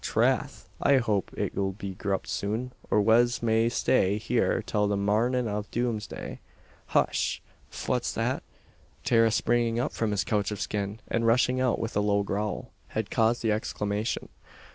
Trath! I hope it'll be grupped soon, or wez may stay here till the marnin' av doomsday. Hush! fwhat's that?" Tara springing up from his couch of skin, and rushing out with a low growl, had caused the exclamation.